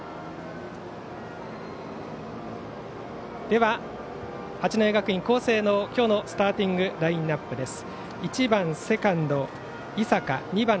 では、八戸学院光星の今日のスターティングラインナップです。